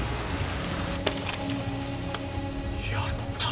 やった！